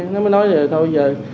nó mới nói là thôi giờ